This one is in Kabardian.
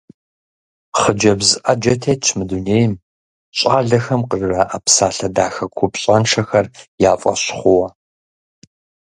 Хъыджэбз Ӏэджэ тетщ мы дунейм, щӏалэхэм къыжыраӀэ псалъэ дахэ купщӀэншэхэр я фӀэщ хъууэ.